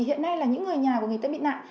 hiện nay là những người nhà của người ta bị nạn